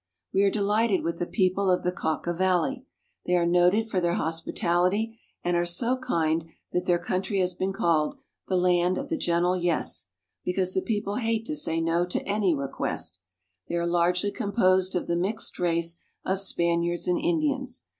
We are delighted with the people of the Cauca valley. They are noted for their hospitality, and are so kind that Capitol, Bogota. GENERAL VIEW. 35 their country has been called The Land of the Gentle Yes," because the people hate to say no to any request. They are largely composed of the mixed race of Spaniards and Indians.